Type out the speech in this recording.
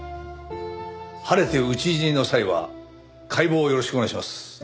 晴れて討ち死にの際は解剖をよろしくお願いします。